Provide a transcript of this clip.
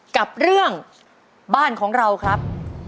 กับเรื่องบ้านของเราครับ